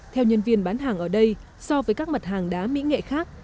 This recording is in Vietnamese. theo nhân viên bán hàng ở đây so với các mặt hàng đá mỹ nghệ khác